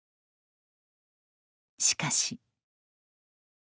しかし。